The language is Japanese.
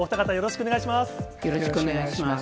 よろしくお願いします。